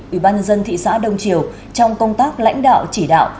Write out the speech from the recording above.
ủy ban nhân dân thị xã đông triều trong công tác lãnh đạo chỉ đạo